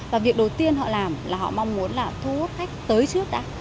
và việc đầu tiên họ làm là họ mong muốn là thu hút khách tới trước đã